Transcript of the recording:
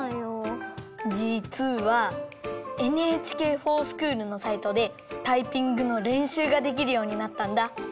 じつはＮＨＫｆｏｒＳｃｈｏｏｌのサイトでタイピングのれんしゅうができるようになったんだ。